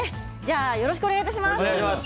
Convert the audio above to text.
よろしくお願いします。